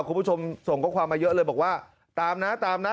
คุณผู้ชมส่งข้อความมาเยอะเลยบอกว่าตามนะตามนะ